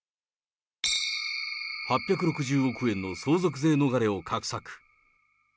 ８６０億円の相続税逃れを画策。